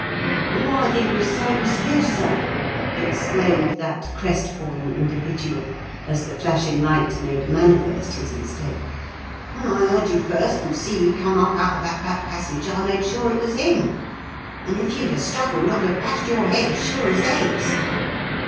"Why didn't you say it was you, sir?" exclaimed that crestfallen individual, as the flashing light made manifest his mistake. "When I heard you first, and see you come up out of that back passage, I made sure it was him; and if you'd a struggled, I'd have bashed your head as sure as eggs."